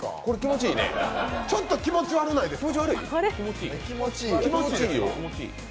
ちょっと気持ち悪ないですか。